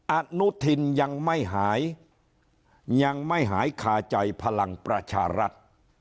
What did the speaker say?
อนุทินยังไม่หายยังไม่หายคาใจพลังประชารัฐ